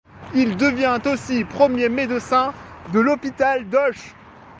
Il devient aussi premier médecin de l'Hôpital d'Auch.